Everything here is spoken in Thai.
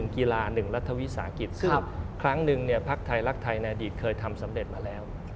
กีฬา๑รัฐวิสาหกิจซึ่งครั้งหนึ่งภักดิ์ไทยรักไทยในอดีตเคยทำสำเร็จมาแล้ว